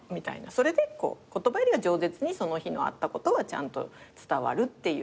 それで言葉よりは冗舌にその日のあったことはちゃんと伝わるっていう。